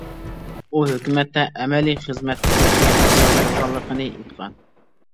ئۇ ھۆكۈمەتتە ئەمەلىي خىزمەت ئۆتەشنى قارار قىلغانلىقىنى ئېيتقان.